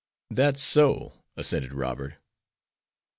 "That's so," assented Robert.